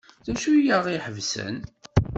D acu ay aɣ-iḥebsen?